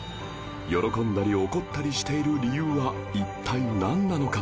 喜んだり怒ったりしている理由は一体なんなのか？